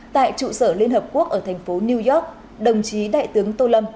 tại trụ sở liên hợp quốc ở thành phố new york đồng chí đại tướng tô lâm